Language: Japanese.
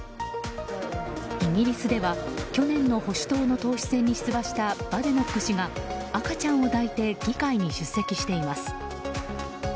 イギリスでは去年の保守党の党首選に出馬したバデノック氏が赤ちゃんを抱いて議会に出席しています。